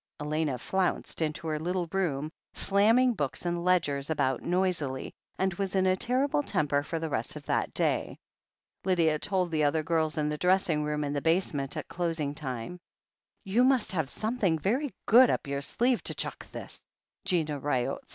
Elena flounced into her little room, slamming books and ledgers about noisily, and was in a terrible temper for the rest of that day. Lydia told the other girls in the dressing room in the basement at closing time. "You must have something very good up your sleeve to chuck this," said Gina Ryott.